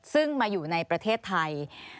ซึ่งมาอยู่ในประเทศไทย